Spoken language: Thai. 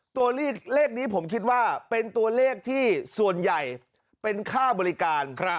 ตัวเลขนี้ผมคิดว่าเป็นตัวเลขที่ส่วนใหญ่เป็นค่าบริการ